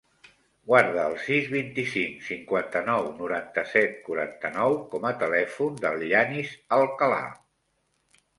Guarda el sis, vint-i-cinc, cinquanta-nou, noranta-set, quaranta-nou com a telèfon del Yanis Alcala.